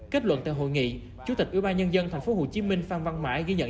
kết luận tại hội nghị chủ tịch ủy ban nhân dân thành phố hồ chí minh phan văn mãi ghi nhận